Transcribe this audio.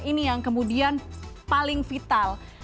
ini yang kemudian paling vital